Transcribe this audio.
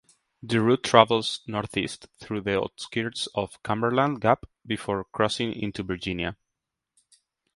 The route travels northeast through the outskirts of Cumberland Gap before crossing into Virginia.